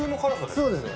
そうですよ。